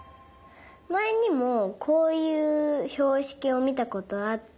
まえにもこういうひょうしきをみたことあって。